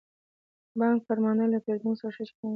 د بانک کارمندان له پیرودونکو سره ښه چلند کوي.